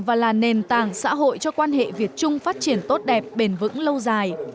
và là nền tảng xã hội cho quan hệ việt trung phát triển tốt đẹp bền vững lâu dài